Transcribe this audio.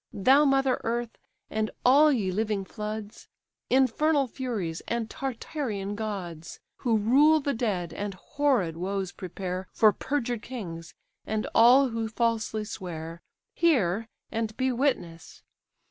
Thou mother Earth! and all ye living floods! Infernal furies, and Tartarean gods, Who rule the dead, and horrid woes prepare For perjured kings, and all who falsely swear! Hear, and be witness.